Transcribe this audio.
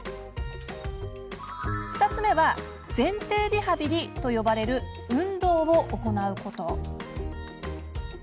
２つ目は前庭リハビリと呼ばれる運動を行うこと。